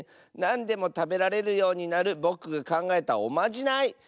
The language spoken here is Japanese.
なんでもたべられるようになるぼくがかんがえたおまじない。